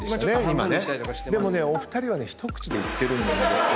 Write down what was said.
でもねお二人はね一口でいってるんですよ。